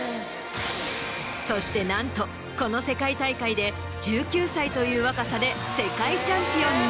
そしてなんとこの世界大会で１９歳という若さで世界チャンピオンに。